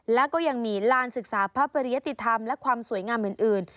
แล้วก็ยังมีลานศึกษาพระปริยติธรรมและความสวยงามอื่น